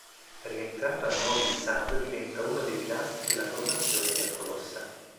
Rientrato a Novi Sad diventa uno dei pilastri della formazione biancorossa.